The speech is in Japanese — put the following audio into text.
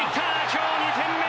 今日２点目！